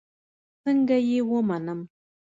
څنگه يې ومنم.